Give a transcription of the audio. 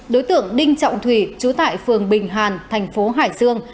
đối tượng đinh trọng thủy trú tại phường bình hàn thành phố hải dương